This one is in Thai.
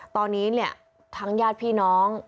ตอนนี้เนี่ยทั้งญาติพี่น้อง